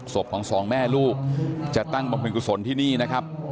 ศพของสองแม่ลูกจะตั้งบำเพ็ญกุศลที่นี่นะครับ